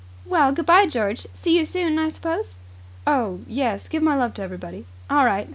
"Well, good bye, George. See you soon, I suppose?" "Oh, yes. Give my love to everybody." "All right.